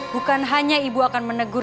bukan hanya ibu akan menegur